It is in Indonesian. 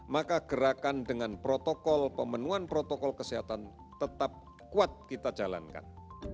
maka gerakan dengan protokol pemenuhan protokol kesehatan tetap kuat kita jalankan